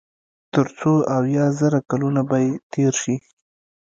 تر څو اويا زره کلونه به ئې تېر شي